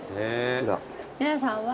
皆さんは？